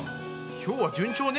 今日は順調ね。